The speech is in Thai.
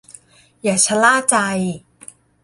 อย่าชะล่าใจ